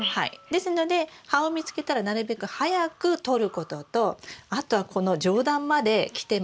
ですので葉を見つけたらなるべく早く取ることとあとはこの上段まで来てますので